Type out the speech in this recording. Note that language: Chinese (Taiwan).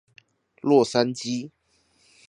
洛杉磯